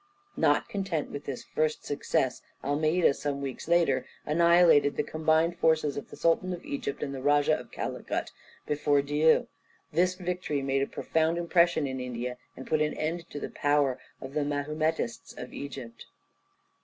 Not content with this first success, Almeida, some weeks later, annihilated the combined forces of the Sultan of Egypt, and the Rajah of Calicut, before Diu. This victory made a profound impression in India, and put an end to the power of the Mahumetists of Egypt.